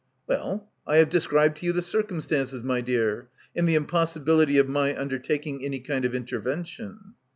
"Well, I have described to you the circum stances, my dear, and the impossibility of my un dertaking any kind of intervention."